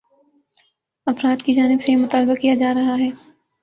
افراد کی جانب سے یہ مطالبہ کیا جا رہا ہے